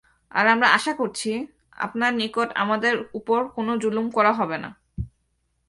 আর আমরা আশা করছি, আপনার নিকট আমাদের উপর কোন জুলুম করা হবে না।